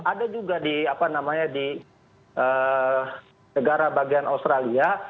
ada juga di negara bagian australia